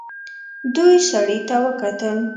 دوی سړي ته وکتل.